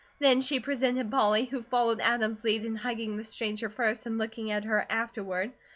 Then she presented Polly, who followed Adam's lead in hugging the stranger first and looking at her afterward.